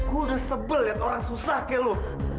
gue udah sebel liat orang susah kayak lu